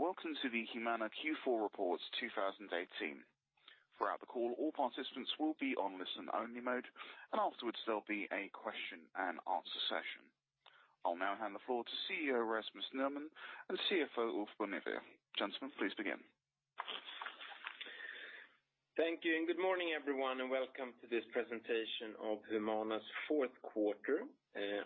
Welcome to the Humana Q4 Reports 2018. Throughout the call, all participants will be on listen-only mode, and afterwards, there'll be a question and answer session. I'll now hand the floor to CEO Rasmus Nerman and CFO Ulf Bonnevier. Gentlemen, please begin. Thank you. Good morning, everyone, and welcome to this presentation of Humana's fourth quarter.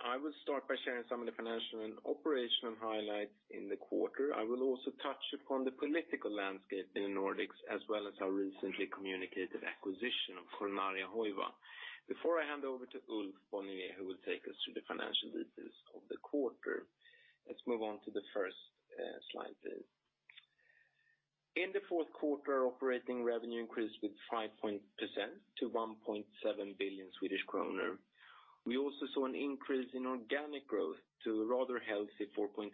I will start by sharing some of the financial and operational highlights in the quarter. I will also touch upon the political landscape in the Nordics, as well as our recently communicated acquisition of Coronaria Hoiva. Before I hand over to Ulf Bonnevier, who will take us through the financial details of the quarter, let's move on to the first slide, please. In the fourth quarter, operating revenue increased with 5% to 1.7 billion Swedish kronor. We also saw an increase in organic growth to a rather healthy 4.8%,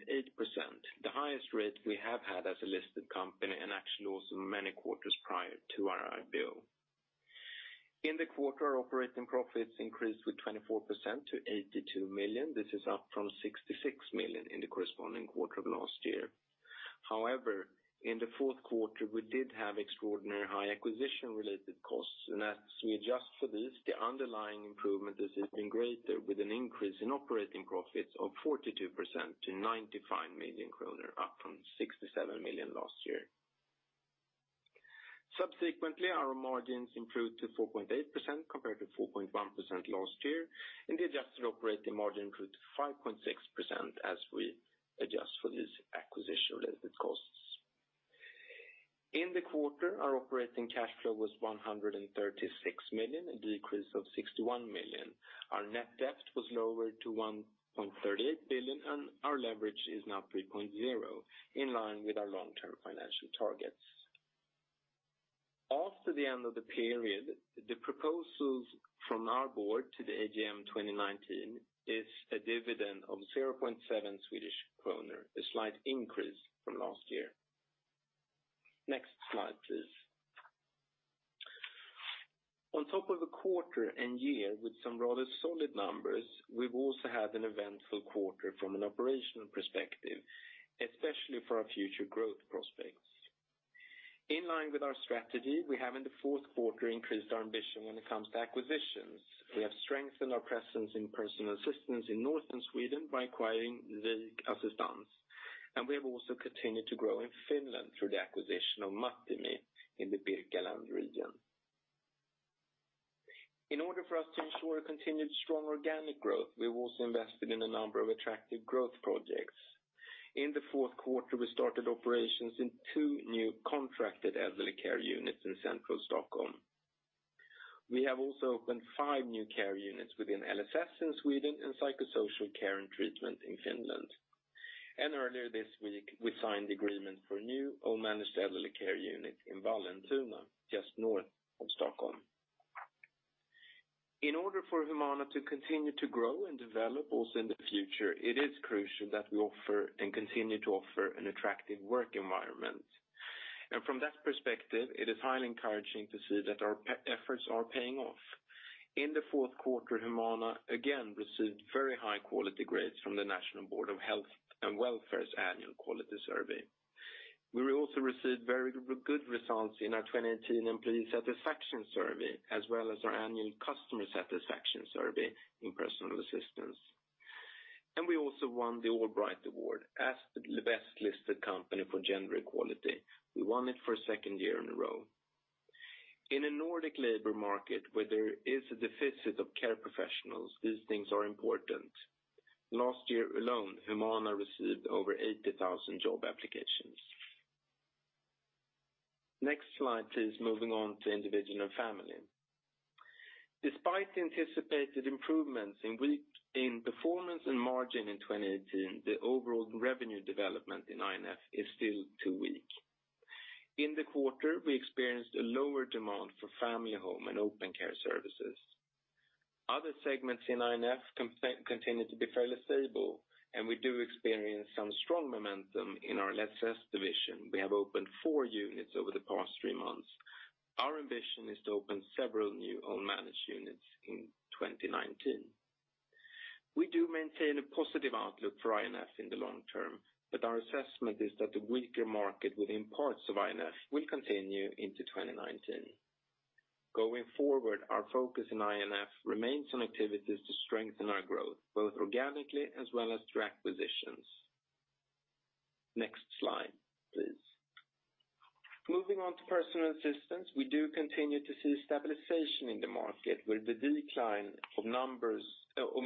the highest rate we have had as a listed company and actually also many quarters prior to our IPO. In the quarter, operating profits increased with 24% to 82 million. This is up from 66 million in the corresponding quarter of last year. However, in the fourth quarter, we did have extraordinary high acquisition-related costs, and as we adjust for these, the underlying improvement has been greater, with an increase in operating profits of 42% to 95 million kronor, up from 67 million last year. Subsequently, our margins improved to 4.8% compared to 4.1% last year, and the adjusted operating margin improved to 5.6% as we adjust for these acquisition-related costs. In the quarter, our operating cash flow was 136 million, a decrease of 61 million. Our net debt was lowered to 1.38 billion, and our leverage is now 3.0, in line with our long-term financial targets. After the end of the period, the proposals from our board to the AGM 2019 is a dividend of 0.7 Swedish kronor, a slight increase from last year. Next slide, please. On top of a quarter and year with some rather solid numbers, we've also had an eventful quarter from an operational perspective, especially for our future growth prospects. In line with our strategy, we have in the fourth quarter increased our ambition when it comes to acquisitions. We have strengthened our presence in personal assistance in Northern Sweden by acquiring Vik Assistans, and we have also continued to grow in Finland through the acquisition of Mattila in the Birkaland region. In order for us to ensure continued strong organic growth, we've also invested in a number of attractive growth projects. In the fourth quarter, we started operations in two new contracted elderly care units in central Stockholm. We have also opened five new care units within LSS in Sweden and Psychosocial Care and Treatment in Finland. Earlier this week, we signed agreement for a new own managed elderly care unit in Vallentuna, just north of Stockholm. In order for Humana to continue to grow and develop also in the future, it is crucial that we offer and continue to offer an attractive work environment. From that perspective, it is highly encouraging to see that our efforts are paying off. In the fourth quarter, Humana again received very high quality grades from the National Board of Health and Welfare's annual quality survey. We also received very good results in our 2018 employee satisfaction survey as well as our annual customer satisfaction survey in personal assistance. We also won the AllBright Award as the best-listed company for gender equality. We won it for a second year in a row. In a Nordic labor market where there is a deficit of care professionals, these things are important. Last year alone, Humana received over 80,000 job applications. Next slide, please. Moving on to Individual & Family. Despite the anticipated improvements in performance and margin in 2018, the overall revenue development in I&F is still too weak. In the quarter, we experienced a lower demand for family home and open care services. Other segments in I&F continue to be fairly stable, and we do experience some strong momentum in our LSS division. We have opened four units over the past three months. Our ambition is to open several new own managed units in 2019. We do maintain a positive outlook for I&F in the long term, but our assessment is that the weaker market within parts of I&F will continue into 2019. Going forward, our focus in I&F remains on activities to strengthen our growth, both organically as well as through acquisitions. Next slide, please. Moving on to personal assistance, we do continue to see stabilization in the market where the decline of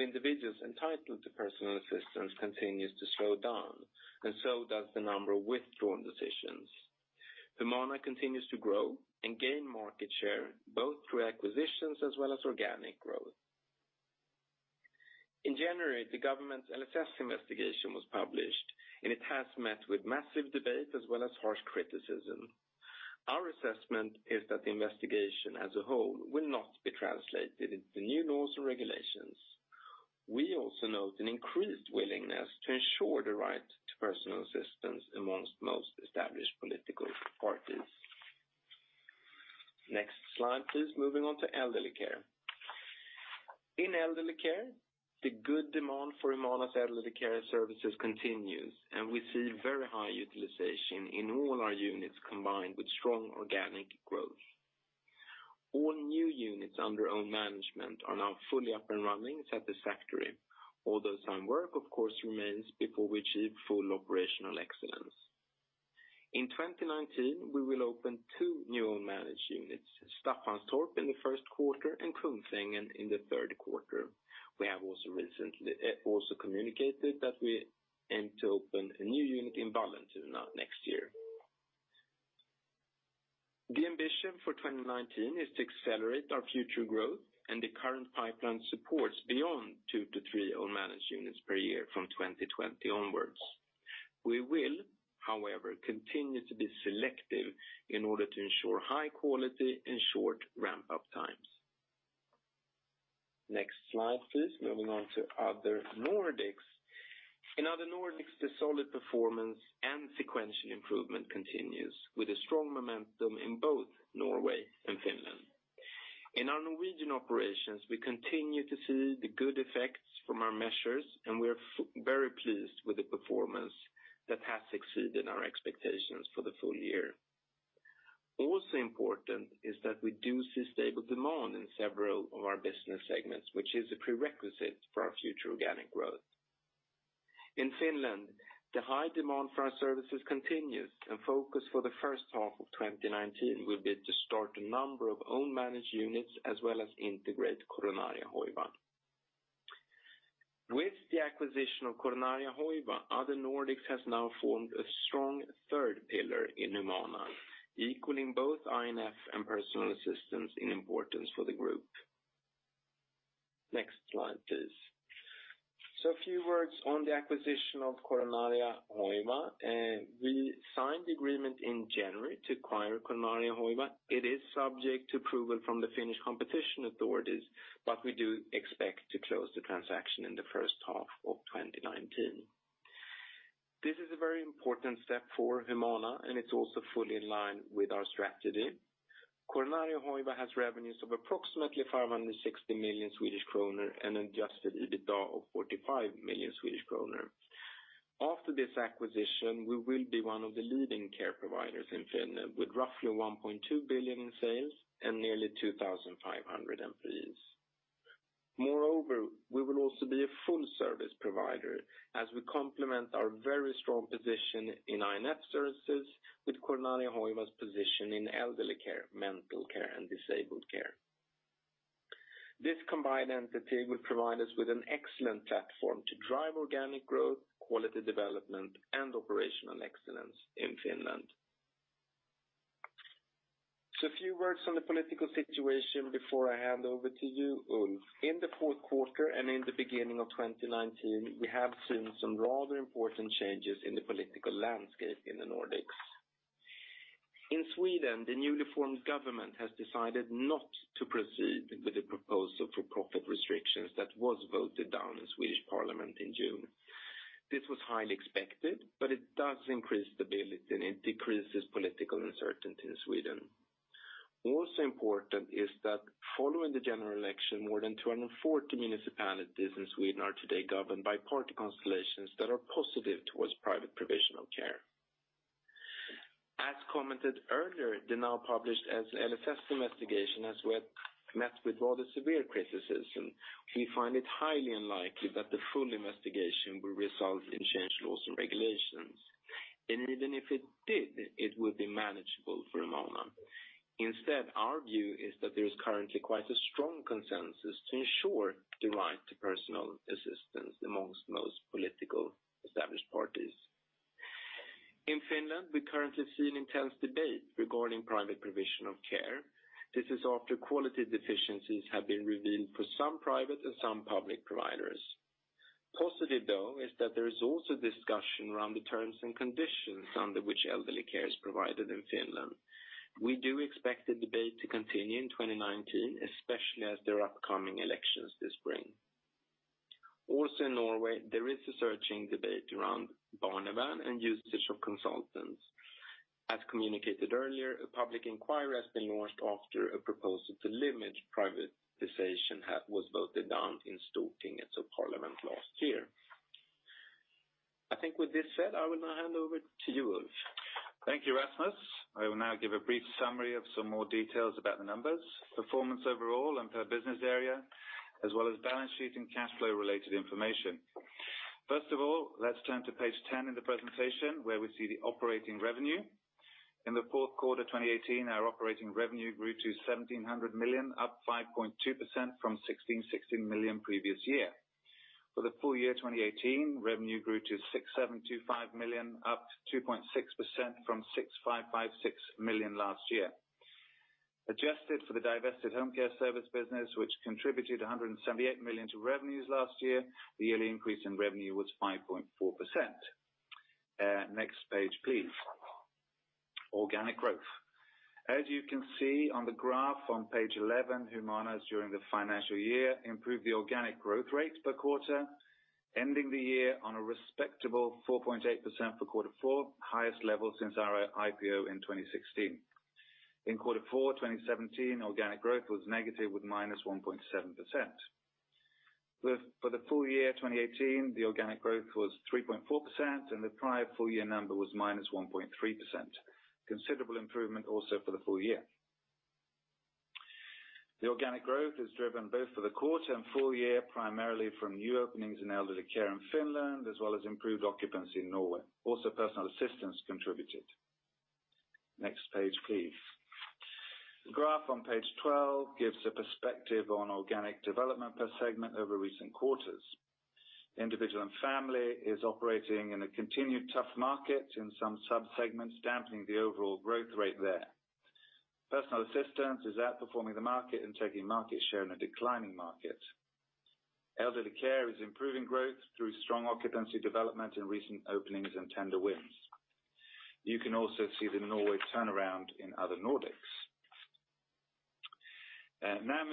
individuals entitled to personal assistance continues to slow down, so does the number of withdrawn decisions. Humana continues to grow and gain market share both through acquisitions as well as organic growth. In January, the government LSS investigation was published. It has met with massive debate as well as harsh criticism. Our assessment is that the investigation as a whole will not be translated into new laws or regulations. We also note an increased willingness to ensure the right to personal assistance amongst most. Next slide, please. Moving on to elderly care. In elderly care, the good demand for Humana's elderly care services continues. We see very high utilization in all our units, combined with strong organic growth. All new units under own management are now fully up and running satisfactory. Although some work, of course, remains before we achieve full operational excellence. In 2019, we will open two new own managed units, Staffanstorp in the first quarter and Kungsängen in the third quarter. We have also recently communicated that we aim to open a new unit in Vallentuna next year. The ambition for 2019 is to accelerate our future growth. The current pipeline supports beyond two to three own managed units per year from 2020 onwards. We will, however, continue to be selective in order to ensure high quality and short ramp-up times. Next slide, please. Moving on to Other Nordics. In Other Nordics, the solid performance and sequential improvement continues, with a strong momentum in both Norway and Finland. In our Norwegian operations, we continue to see the good effects from our measures, and we are very pleased with the performance that has exceeded our expectations for the full year. Also important is that we do see stable demand in several of our business segments, which is a prerequisite for our future organic growth. In Finland, the high demand for our services continues, and focus for the first half of 2019 will be to start a number of own managed units, as well as integrate Coronaria Hoiva. With the acquisition of Coronaria Hoiva, Other Nordics has now formed a strong third pillar in Humana, equaling both I&F and personal assistance in importance for the group. Next slide, please. A few words on the acquisition of Coronaria Hoiva. We signed the agreement in January to acquire Coronaria Hoiva. It is subject to approval from the Finnish competition authorities, but we do expect to close the transaction in the first half of 2019. This is a very important step for Humana, and it is also fully in line with our strategy. Coronaria Hoiva has revenues of approximately 560 million Swedish kronor and adjusted EBITDA of 45 million Swedish kronor. After this acquisition, we will be one of the leading care providers in Finland, with roughly 1.2 billion in sales and nearly 2,500 employees. Moreover, we will also be a full service provider as we complement our very strong position in I&F services with Coronaria Hoiva's position in elderly care, mental care, and disabled care. This combined entity will provide us with an excellent platform to drive organic growth, quality development, and operational excellence in Finland. A few words on the political situation before I hand over to you, Ulf. In the fourth quarter and in the beginning of 2019, we have seen some rather important changes in the political landscape in the Nordics. In Sweden, the newly formed government has decided not to proceed with the proposal for profit restrictions that was voted down in Swedish Parliament in June. This was highly expected, but it does increase stability, and it decreases political uncertainty in Sweden. Also important is that following the general election, more than 240 municipalities in Sweden are today governed by party constellations that are positive towards private provision of care. As commented earlier, the now-published LSS investigation has met with rather severe criticism. We find it highly unlikely that the full investigation will result in changed laws and regulations. Even if it did, it would be manageable for Humana. Instead, our view is that there is currently quite a strong consensus to ensure the right to personal assistance amongst most political established parties. In Finland, we currently see an intense debate regarding private provision of care. This is after quality deficiencies have been revealed for some private and some public providers. Positive, though, is that there is also discussion around the terms and conditions under which elderly care is provided in Finland. We do expect the debate to continue in 2019, especially as there are upcoming elections this spring. Also in Norway, there is a searching debate around Barnevern and usage of consultants. As communicated earlier, a public inquiry has been launched after a proposal to limit privatization was voted down in Stortinget, so Parliament, last year. I think with this said, I will now hand over to you, Ulf. Thank you, Rasmus. I will now give a brief summary of some more details about the numbers, performance overall and per business area, as well as balance sheet and cash flow-related information. First of all, let's turn to page 10 in the presentation, where we see the operating revenue. In the fourth quarter 2018, our operating revenue grew to 1,700 million, up 5.2% from 1,616 million the previous year. For the full year 2018, revenue grew to 6,725 million, up 2.6% from 6,556 million last year. Adjusted for the divested home care service business, which contributed 178 million to revenues last year, the yearly increase in revenue was 5.4%. Next page, please. Organic growth. As you can see on the graph on page 11, Humana's during the financial year improved the organic growth rate per quarter, ending the year on a respectable 4.8% for quarter four, highest level since our IPO in 2016. In quarter four 2017, organic growth was negative with -1.7%. For the full year 2018, the organic growth was 3.4%, and the prior full year number was -1.3%. Considerable improvement also for the full year. The organic growth is driven both for the quarter and full year, primarily from new openings in elderly care in Finland, as well as improved occupancy in Norway. Also personal assistants contributed. Next page, please. The graph on page 12 gives a perspective on organic development per segment over recent quarters. Individual & Family is operating in a continued tough market in some sub-segments, dampening the overall growth rate there. Personal assistance is outperforming the market and taking market share in a declining market. Elderly care is improving growth through strong occupancy development in recent openings and tender wins. You can also see the Norway turnaround in Other Nordics.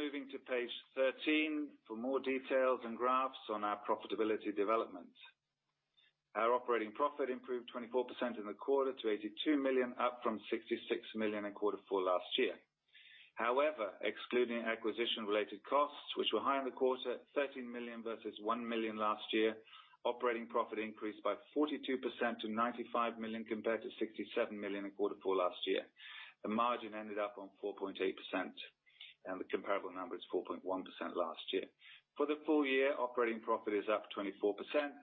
Moving to page 13 for more details and graphs on our profitability development. Our operating profit improved 24% in the quarter to 82 million, up from 66 million in quarter four last year. However, excluding acquisition-related costs, which were high in the quarter, 13 million versus 1 million last year, operating profit increased by 42% to 95 million compared to 67 million in quarter four last year. The margin ended up on 4.8%, and the comparable number is 4.1% last year. For the full year, operating profit is up 24%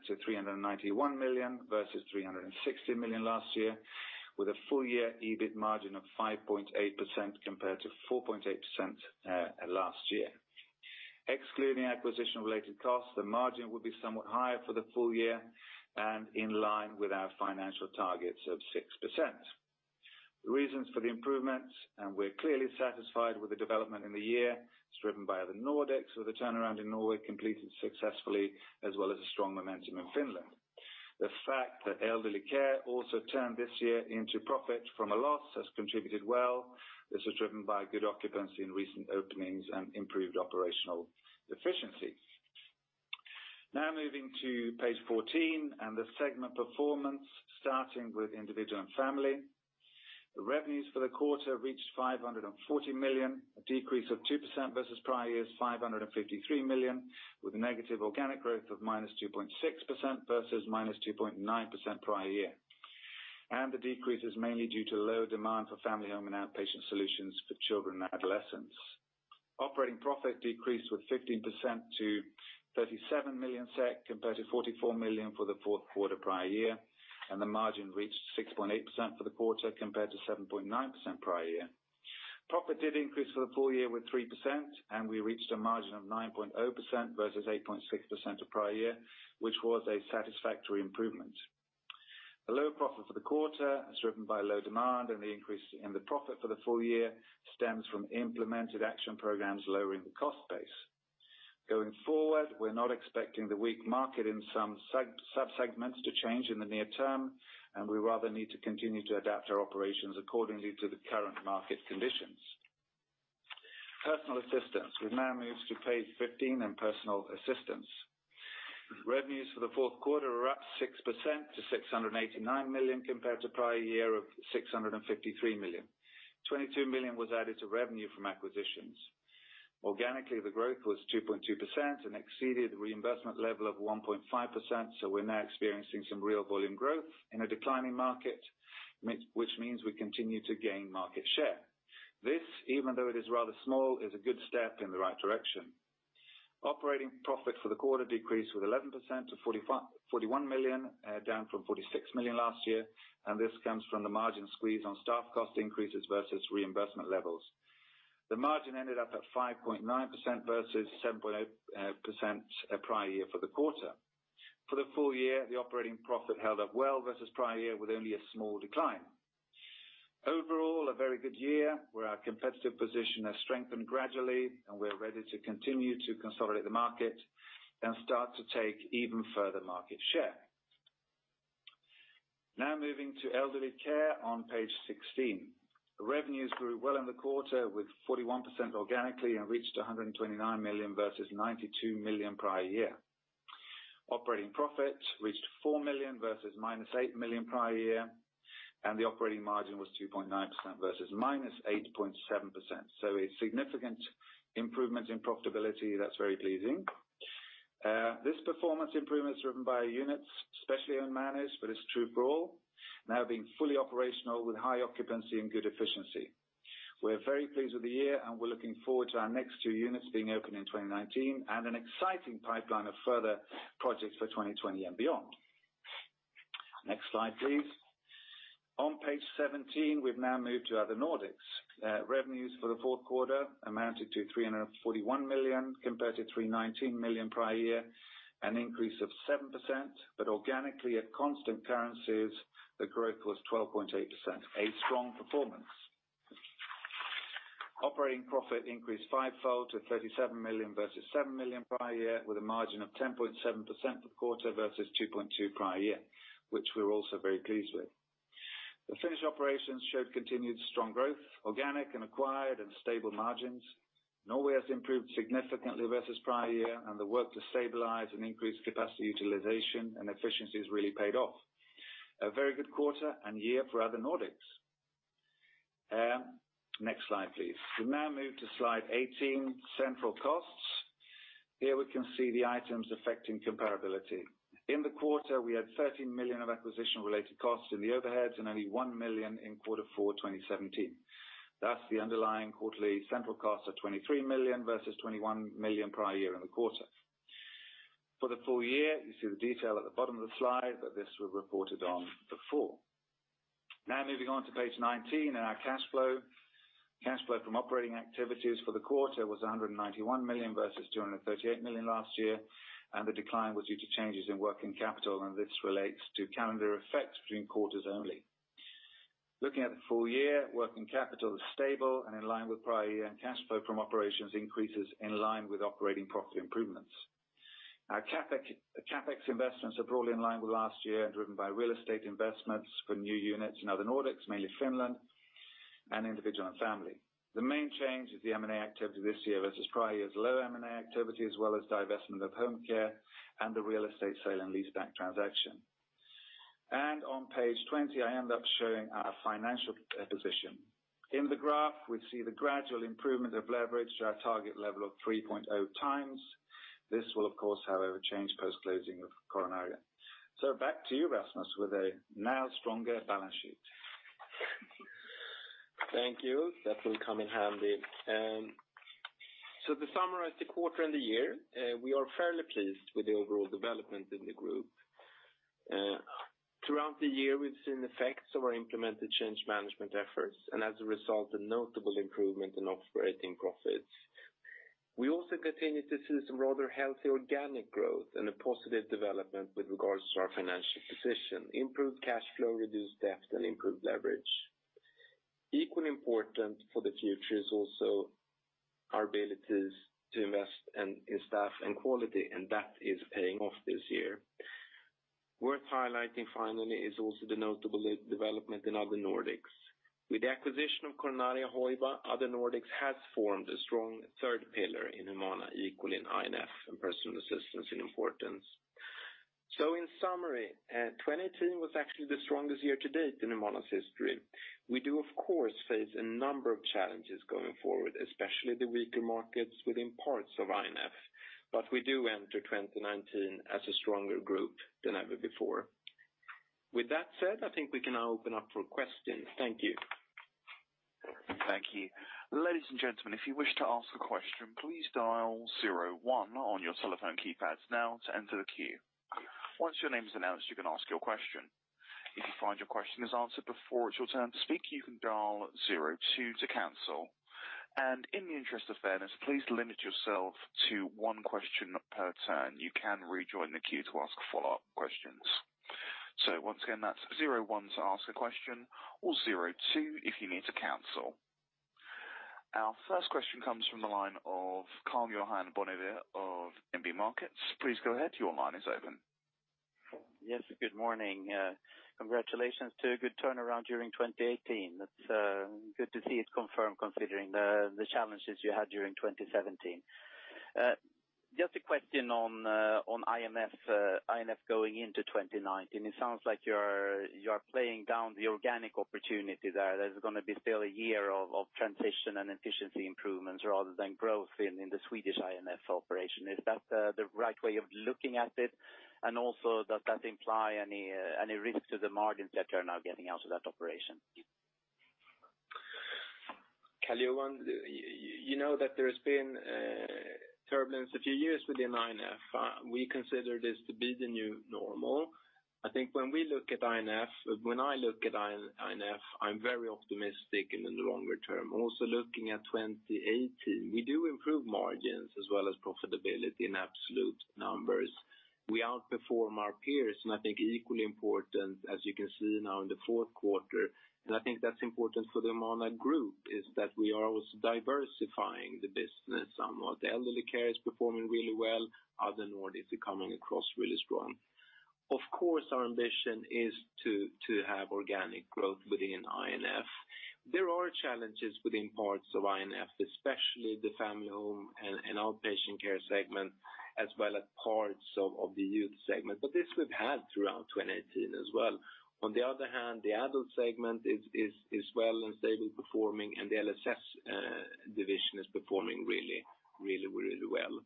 to 391 million versus 360 million last year, with a full year EBIT margin of 5.8% compared to 4.8% last year. Excluding acquisition-related costs, the margin would be somewhat higher for the full year and in line with our financial targets of 6%. The reasons for the improvements, and we're clearly satisfied with the development in the year, is driven by the Nordics, with the turnaround in Norway completed successfully, as well as a strong momentum in Finland. The fact that elderly care also turned this year into profit from a loss has contributed well. This was driven by good occupancy in recent openings and improved operational efficiency. Moving to page 14 and the segment performance, starting with Individual & Family. The revenues for the quarter reached 540 million, a decrease of 2% versus prior year's 553 million, with a negative organic growth of -2.6% versus -2.9% prior year. The decrease is mainly due to low demand for family home and outpatient solutions for children and adolescents. Operating profit decreased with 15% to 37 million SEK compared to 44 million for the fourth quarter prior year, and the margin reached 6.8% for the quarter compared to 7.9% prior year. Profit did increase for the full year with 3%, we reached a margin of 9.0% versus 8.6% the prior year, which was a satisfactory improvement. The low profit for the quarter is driven by low demand, and the increase in the profit for the full year stems from implemented action programs lowering the cost base. Going forward, we're not expecting the weak market in some sub-segments to change in the near term, we rather need to continue to adapt our operations accordingly to the current market conditions. Personal assistance. We now move to page 15 in personal assistance. Revenues for the fourth quarter were up 6% to 689 million compared to prior year of 653 million. 22 million was added to revenue from acquisitions. Organically, the growth was 2.2% and exceeded the reimbursement level of 1.5%, we're now experiencing some real volume growth in a declining market, which means we continue to gain market share. This, even though it is rather small, is a good step in the right direction. Operating profit for the quarter decreased with 11% to 41 million, down from 46 million last year, this comes from the margin squeeze on staff cost increases versus reimbursement levels. The margin ended up at 5.9% versus 7.8% prior year for the quarter. For the full year, the operating profit held up well versus prior year with only a small decline. Overall, a very good year where our competitive position has strengthened gradually, we are ready to continue to consolidate the market and start to take even further market share. Now moving to elderly care on page 16. The revenues grew well in the quarter with 41% organically and reached 129 million versus 92 million prior year. Operating profit reached 4 million versus -8 million prior year, the operating margin was 2.9% versus -8.7%. A significant improvement in profitability. That's very pleasing. This performance improvement is driven by units, specially owned, managed, but it's true for all, now being fully operational with high occupancy and good efficiency. We're very pleased with the year, we're looking forward to our next two units being opened in 2019 and an exciting pipeline of further projects for 2020 and beyond. Next slide, please. On page 17, we've now moved to Other Nordics. Revenues for the fourth quarter amounted to 341 million compared to 319 million prior year, an increase of 7%, organically at constant currencies, the growth was 12.8%, a strong performance. Operating profit increased fivefold to 37 million versus 7 million prior year, with a margin of 10.7% for quarter versus 2.2% prior year, which we're also very pleased with. The Finnish operations showed continued strong growth, organic and acquired, and stable margins. Norway has improved significantly versus prior year, the work to stabilize and increase capacity utilization and efficiency has really paid off. A very good quarter and year for Other Nordics. Next slide, please. We now move to slide 18, central costs. Here we can see the items affecting comparability. In the quarter, we had 13 million of acquisition-related costs in the overheads and only 1 million in Q4 2017. The underlying quarterly central costs are 23 million versus 21 million prior year in the quarter. For the full year, you see the detail at the bottom of the slide, but this was reported on before. Moving on to page 19 and our cash flow. Cash flow from operating activities for the quarter was 191 million versus 238 million last year. The decline was due to changes in working capital. This relates to calendar effects between quarters only. Looking at the full year, working capital is stable and in line with prior year. Cash flow from operations increases in line with operating profit improvements. Our CapEx investments are broadly in line with last year and driven by real estate investments for new units in Other Nordics, mainly Finland, and Individual & Family. The main change is the M&A activity this year versus prior year's low M&A activity as well as divestment of home care and the real estate sale and leaseback transaction. On page 20, I end up showing our financial position. In the graph, we see the gradual improvement of leverage to our target level of 3.0 times. This will, of course, however, change post-closing of Coronaria. Back to you, Rasmus, with a now stronger balance sheet. Thank you. That will come in handy. To summarize the quarter and the year, we are fairly pleased with the overall development in the group. Throughout the year, we've seen the effects of our implemented change management efforts and as a result, a notable improvement in operating profits. We also continue to see some rather healthy organic growth and a positive development with regards to our financial position, improved cash flow, reduced debt, and improved leverage. Equally important for the future is also our abilities to invest in staff and quality. That is paying off this year. Worth highlighting, finally, is also the notable development in Other Nordics. With the acquisition of Coronaria Hoiva, Other Nordics has formed a strong third pillar in Humana, equal in I&F and personal assistance in importance. In summary, 2018 was actually the strongest year to date in Humana's history. We do, of course, face a number of challenges going forward, especially the weaker markets within parts of I&F. We do enter 2019 as a stronger group than ever before. With that said, I think we can now open up for questions. Thank you. Thank you. Ladies and gentlemen, if you wish to ask a question, please dial zero one on your telephone keypads now to enter the queue. Once your name is announced, you can ask your question. If you find your question is answered before it is your turn to speak, you can dial zero two to cancel. In the interest of fairness, please limit yourself to one question per turn. You can rejoin the queue to ask follow-up questions. Once again, that is zero one to ask a question or zero two if you need to cancel. Our first question comes from the line of Karl-Johan Bonnevier of DNB Markets. Please go ahead. Your line is open. Yes. Good morning. Congratulations to a good turnaround during 2018. That is good to see it confirmed considering the challenges you had during 2017. Just a question on I&F going into 2019. It sounds like you are playing down the organic opportunity there. There is going to be still a year of transition and efficiency improvements rather than growth in the Swedish I&F operation. Is that the right way of looking at it? Does that imply any risk to the margins that you are now getting out of that operation? Karl-Johan, you know that there has been turbulence a few years within I&F. We consider this to be the new normal. I think when we look at I&F, when I look at I&F, I am very optimistic in the longer term. Also, looking at 2018, we do improve margins as well as profitability in absolute numbers. We outperform our peers, and I think equally important, as you can see now in the fourth quarter, and I think that is important for the Humana group is that we are also diversifying the business somewhat. The elderly care is performing really well. Other Nordics is coming across really strong. Of course, our ambition is to have organic growth within I&F. There are challenges within parts of I&F, especially the family home and outpatient care segment, as well as parts of the youth segment. This we have had throughout 2018 as well. On the other hand, the adult segment is well and stable performing, and the LSS division is performing really, really well.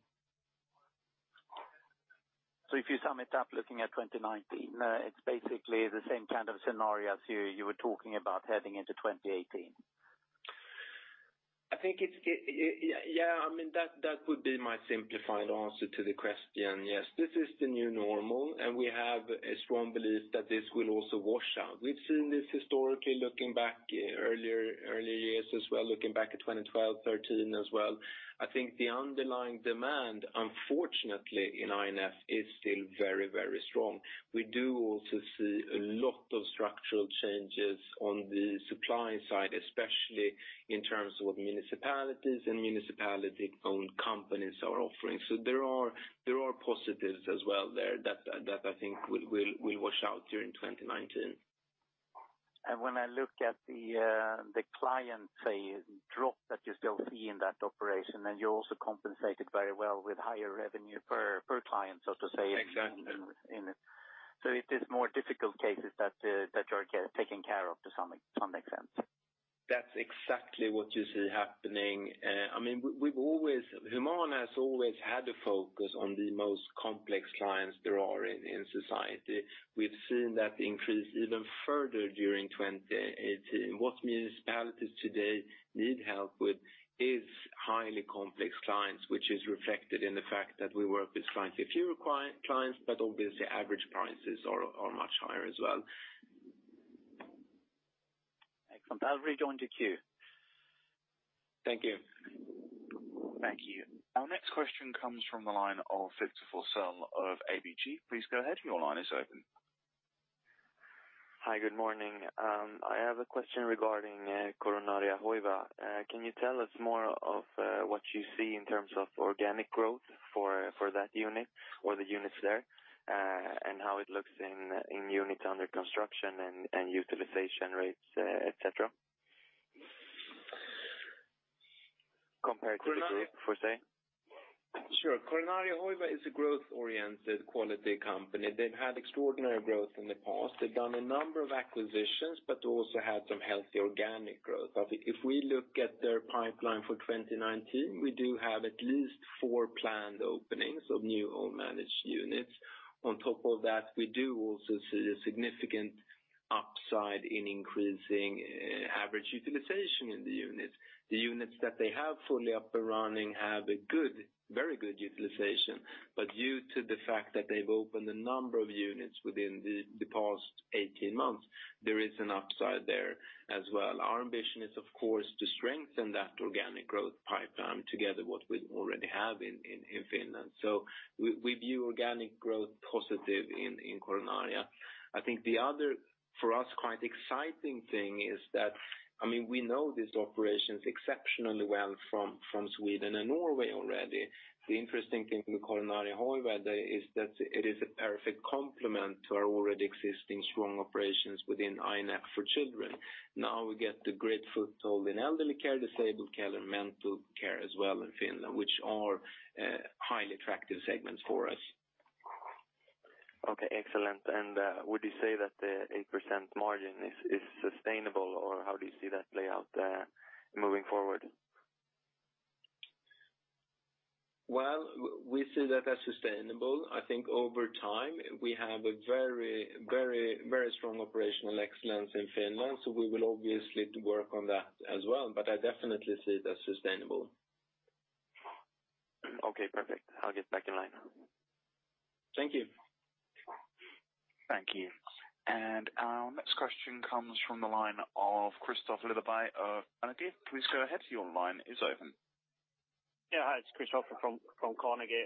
If you sum it up, looking at 2019, it's basically the same kind of scenario as you were talking about heading into 2018. I think it's. Yeah. That would be my simplified answer to the question. Yes. This is the new normal, and we have a strong belief that this will also wash out. We've seen this historically, looking back earlier years as well, looking back at 2012, 2013 as well. I think the underlying demand, unfortunately, in I&F is still very strong. We do also see a lot of structural changes on the supply side, especially in terms of what municipalities and municipality-owned companies are offering. There are positives as well there that I think will wash out during 2019. When I look at the client, say, drop that you still see in that operation, and you also compensated very well with higher revenue per client, so to say. Exactly. It is more difficult cases that you are taking care of to some extent. That's exactly what you see happening. Humana has always had a focus on the most complex clients there are in society. We've seen that increase even further during 2018. What municipalities today need help with is highly complex clients, which is reflected in the fact that we work with slightly fewer clients, but obviously average prices are much higher as well. Excellent. I'll rejoin the queue. Thank you. Thank you. Our next question comes from the line of Viktor Forssell of ABG. Please go ahead. Your line is open. Hi. Good morning. I have a question regarding Coronaria Hoiva. Can you tell us more of what you see in terms of organic growth for that unit or the units there, and how it looks in units under construction and utilization rates, et cetera, compared to the group per se? Sure. Coronaria Hoiva is a growth-oriented quality company. They've had extraordinary growth in the past. They've done a number of acquisitions, but also had some healthy organic growth. If we look at their pipeline for 2019, we do have at least four planned openings of new own managed units. On top of that, we do also see a significant upside in increasing average utilization in the unit. The units that they have fully up and running have a very good utilization. Due to the fact that they've opened a number of units within the past 18 months, there is an upside there as well. Our ambition is, of course, to strengthen that organic growth pipeline together with what we already have in Finland. We view organic growth positive in Coronaria. I think the other, for us, quite exciting thing is that we know these operations exceptionally well from Sweden and Norway already. The interesting thing with Coronaria Hoiva is that it is a perfect complement to our already existing strong operations within I&F for children. Now we get the great foothold in elderly care, disabled care, and mental care as well in Finland, which are highly attractive segments for us. Okay, excellent. Would you say that the 8% margin is sustainable, or how do you see that play out there moving forward? Well, we see that as sustainable. I think over time, we have a very strong operational excellence in Finland. We will obviously work on that as well, but I definitely see it as sustainable. Okay, perfect. I'll get back in line. Thank you. Thank you. Our next question comes from the line of Kristofer Liljeberg of Carnegie. Please go ahead. Your line is open. Yeah. Hi, it's Kristoffer from Carnegie.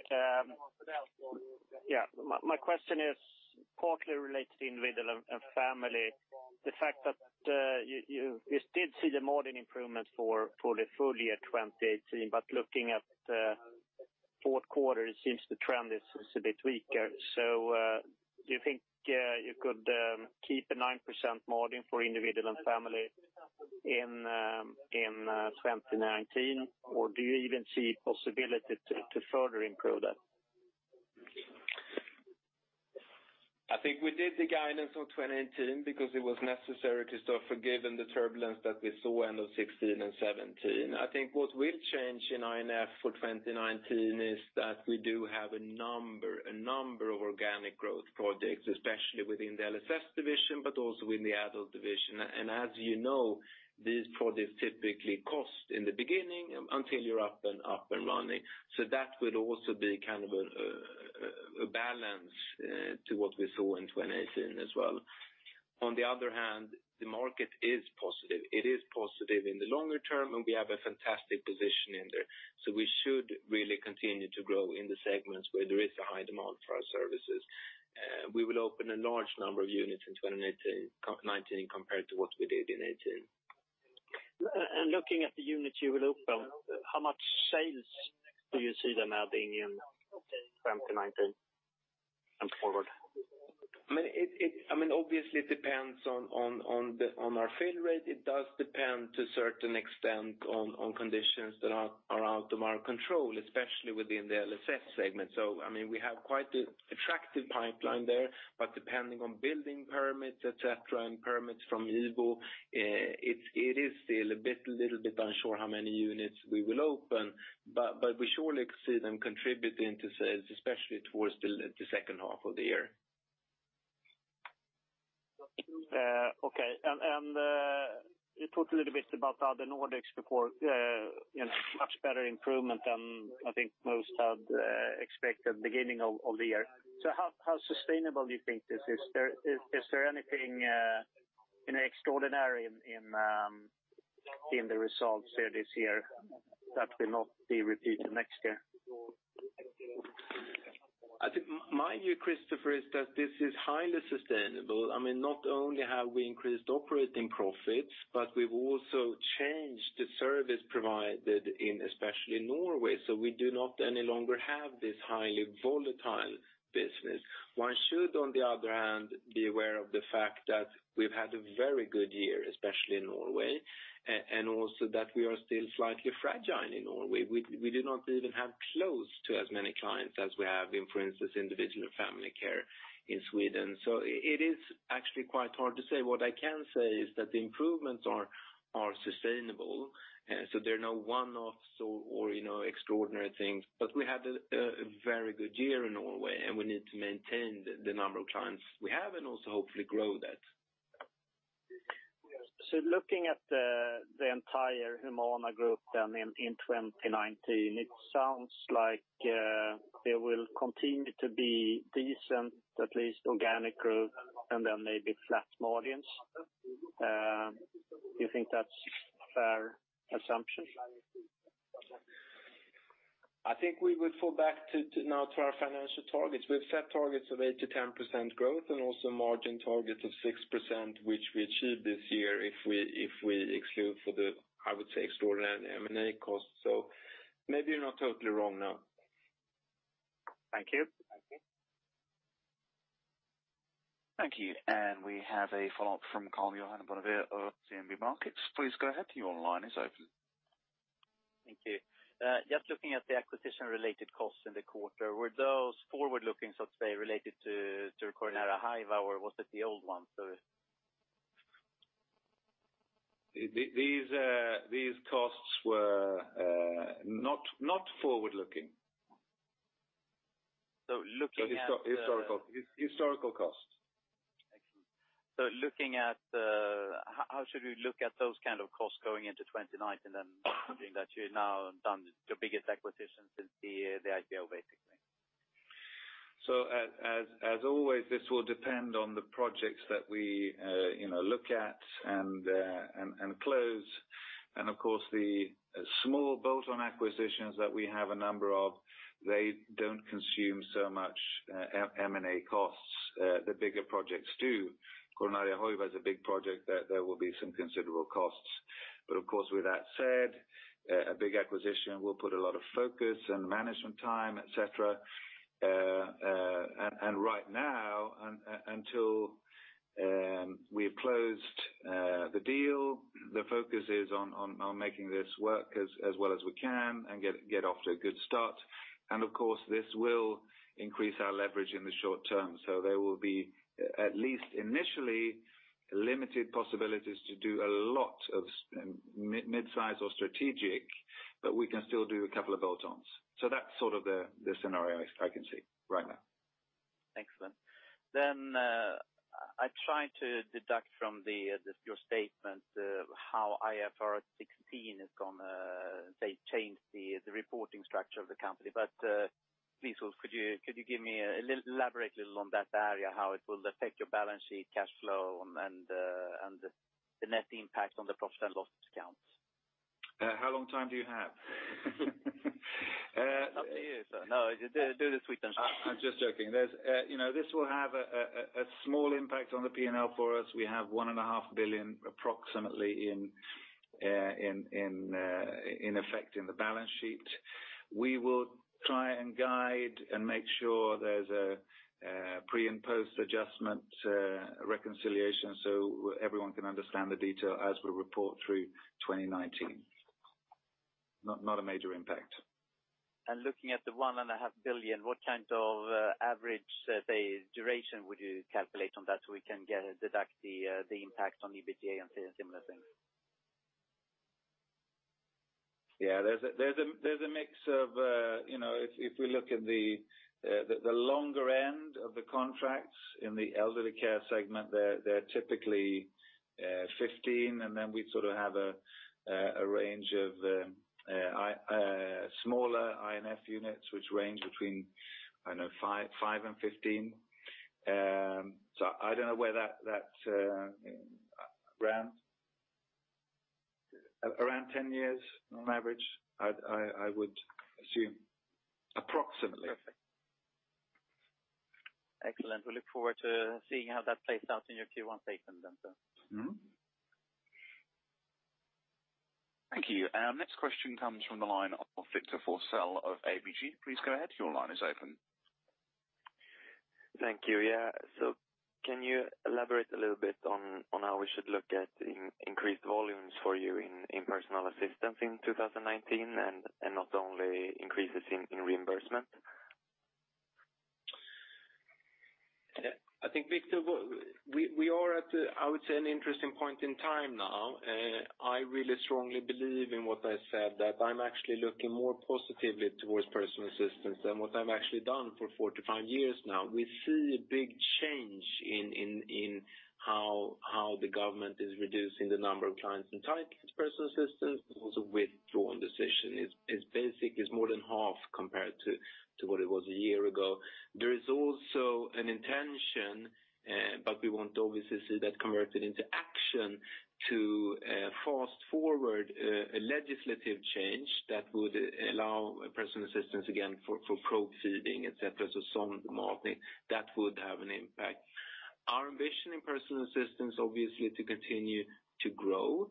My question is partly related to Individual & Family. The fact that you did see the margin improvements for the full year 2018, but looking at the fourth quarter, it seems the trend is a bit weaker. Do you think you could keep a 9% margin for Individual & Family in 2019, or do you even see possibility to further improve that? I think we did the guidance for 2018 because it was necessary, Kristoffer, given the turbulence that we saw end of 2016 and 2017. I think what will change in I&F for 2019 is that we do have a number of organic growth projects, especially within the LSS division, but also in the adult division. As you know, these projects typically cost in the beginning until you're up and running. That will also be a balance to what we saw in 2018 as well. On the other hand, the market is positive. It is positive in the longer term, and we have a fantastic position in there. We should really continue to grow in the segments where there is a high demand for our services. We will open a large number of units in 2019 compared to what we did in 2018. Looking at the units you will open, how much sales do you see them having in 2019 and forward? Obviously it depends on our fill rate. It does depend to a certain extent on conditions that are out of our control, especially within the LSS segment. We have quite the attractive pipeline there, but depending on building permits, et cetera, and permits from IVO, it is still a little bit unsure how many units we will open. We surely see them contributing to sales, especially towards the second half of the year. Okay. You talked a little bit about Other Nordics before, much better improvement than I think most had expected beginning of the year. How sustainable do you think this is? Is there anything extraordinary in the results there this year that will not be repeated next year? I think my view, Kristoffer, is that this is highly sustainable. Not only have we increased operating profits, but we've also changed the service provided in especially Norway. We do not any longer have this highly volatile business. One should, on the other hand, be aware of the fact that we've had a very good year, especially in Norway, and also that we are still slightly fragile in Norway. We do not even have close to as many clients as we have in, for instance, individual family care in Sweden. It is actually quite hard to say. What I can say is that the improvements are sustainable, so they're not one-offs or extraordinary things. We had a very good year in Norway, and we need to maintain the number of clients we have and also hopefully grow that. Looking at the entire Humana group then in 2019, it sounds like there will continue to be decent, at least organic growth and then maybe flat margins. Do you think that's a fair assumption? I think we would fall back to now to our financial targets. We've set targets of 8%-10% growth and also margin targets of 6%, which we achieved this year if we exclude for the, I would say, extraordinary M&A costs. Maybe you're not totally wrong, no. Thank you. Thank you. We have a follow-up from Karl-Johan Bonnevier of DNB Markets. Please go ahead, your line is open. Thank you. Just looking at the acquisition related costs in the quarter, were those forward-looking, so to say, related to Coronaria Hoiva, or was it the old one? These costs were not forward-looking. Looking at the Historical costs. Excellent. How should we look at those kinds of costs going into 2019, then assuming that you're now done your biggest acquisition since the IPO, basically? As always, this will depend on the projects that we look at and close. Of course, the small bolt-on acquisitions that we have a number of, they don't consume so much M&A costs. The bigger projects do. Coronaria Hoiva is a big project that there will be some considerable costs. Of course, with that said, a big acquisition will put a lot of focus and management time, et cetera. Right now, until we've closed the deal, the focus is on making this work as well as we can and get off to a good start. Of course, this will increase our leverage in the short term. There will be, at least initially, limited possibilities to do a lot of midsize or strategic, but we can still do a couple of bolt-ons. That's sort of the scenario I can see right now. Excellent. I tried to deduct from your statement how IFRS 16 is going to, say, change the reporting structure of the company. Please, Ulf, could you give me a little elaborate on that area, how it will affect your balance sheet cash flow, and the net impact on the profit and loss accounts? How long time do you have? Up to you. No, do the sweet and short. I'm just joking. This will have a small impact on the P&L for us. We have 1.5 billion approximately in effect in the balance sheet. We will try and guide and make sure there's a pre and post adjustment reconciliation so everyone can understand the detail as we report through 2019. Not a major impact. Looking at the 1.5 billion, what kind of average, say, duration would you calculate on that so we can deduct the impact on EBITA and similar things? Yeah, there's a mix. If we look at the longer end of the contracts in the elderly care segment, they're typically 15, and then we sort of have a range of smaller I&F units, which range between, I know, five and 15. I don't know where that round. Around 10 years on average, I would assume. Approximately. Excellent. We look forward to seeing how that plays out in your Q1 statement then, sir. Thank you. Our next question comes from the line of Viktor Forssell of ABG. Please go ahead. Your line is open. Thank you. Yeah. Can you elaborate a little bit on how we should look at increased volumes for you in personal assistance in 2019 and not only increases in reimbursement? I think, Viktor, we are at, I would say, an interesting point in time now. I really strongly believe in what I said, that I'm actually looking more positively towards personal assistance than what I've actually done for 45 years now. We see a big change in how the government is reducing the number of clients entitled to personal assistance. It was a withdrawn decision. It's basically more than half compared to what it was a year ago. There is also an intention, but we want to obviously see that converted into action to fast-forward a legislative change that would allow personal assistance again for probe feeding, et cetera. Some modeling that would. Our ambition in personal assistance, obviously, to continue to grow.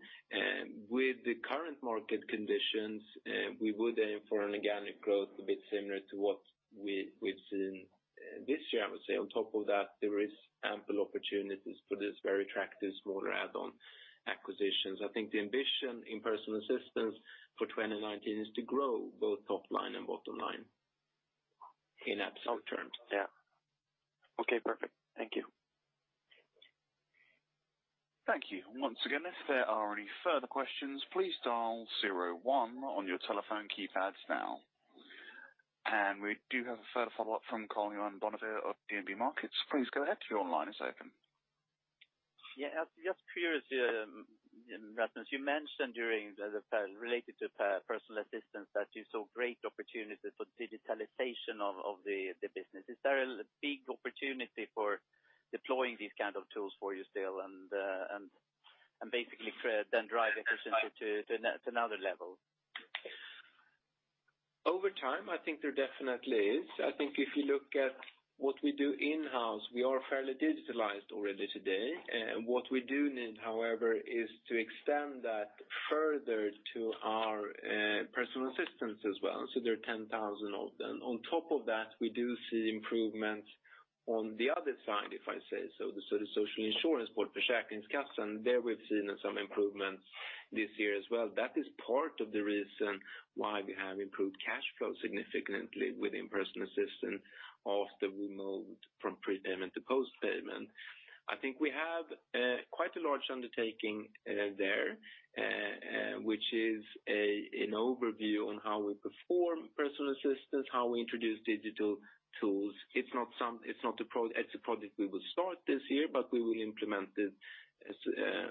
With the current market conditions, we would aim for an organic growth a bit similar to what we've seen this year, I would say. On top of that, there is ample opportunities for this very attractive smaller add-on acquisitions. I think the ambition in personal assistance for 2019 is to grow both top line and bottom line in absolute terms. Yeah. Okay, perfect. Thank you. Thank you. Once again, if there are any further questions, please dial 01 on your telephone keypads now. We do have a further follow-up from Karl-Johan Bonnevier of DNB Markets. Please go ahead, your line is open. Yeah. Just curious, Rasmus, you mentioned during the call related to personal assistance that you saw great opportunities for digitalization of the business. Is there a big opportunity for deploying these kind of tools for you still, and basically then drive efficiency to another level? Over time, I think it definitely is. I think if you look at what we do in-house, we are fairly digitalized already today. What we do need, however, is to extend that further to our personal assistants as well. There are 10,000 of them. On top of that, we do see improvements on the other side, if I say so. The social insurance board, Försäkringskassan, there we've seen some improvements this year as well. That is part of the reason why we have improved cash flow significantly within personal assistant after we moved from pre-payment to post-payment. I think we have quite a large undertaking there, which is an overview on how we perform personal assistance, how we introduce digital tools. It's a project we will start this year, but we will implement it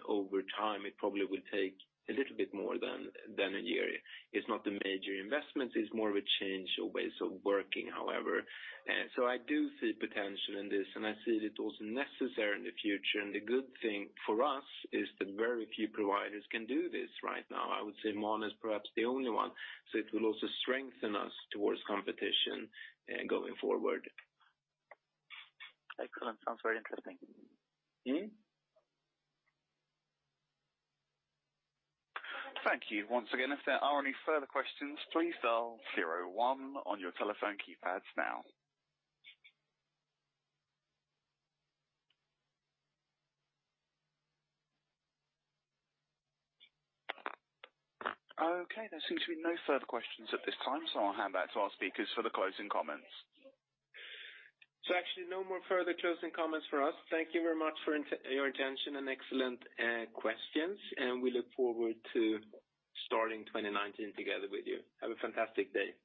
over time. It probably will take a little bit more than a year. It's not a major investment, it's more of a change of ways of working, however. I do see potential in this, and I see it also necessary in the future. The good thing for us is that very few providers can do this right now. I would say Mon is perhaps the only one, so it will also strengthen us towards competition going forward. Excellent. Sounds very interesting. Thank you. Once again, if there are any further questions, please dial 01 on your telephone keypads now. Okay. There seems to be no further questions at this time, I'll hand back to our speakers for the closing comments. Actually, no more further closing comments from us. Thank you very much for your attention and excellent questions, and we look forward to starting 2019 together with you. Have a fantastic day. Bye.